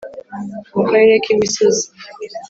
Mu karere k imisozi